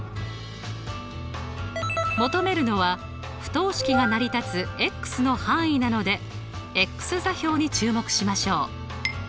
求めるのは不等式が成り立つの範囲なので座標に注目しましょう。